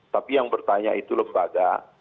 tapi yang bertanya itu lembaga